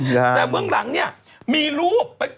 แต่เบื้องหลังเนี่ยมีรูป